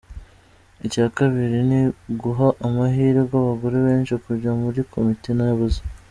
Icya kabiri ni uguha amahirwe abagore benshi kujya muri komite nyobozi.